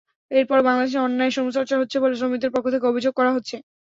এরপরও বাংলাদেশে অন্যায় শ্রমচর্চা হচ্ছে বলে শ্রমিকদের পক্ষ থেকে অভিযোগ করা হচ্ছে।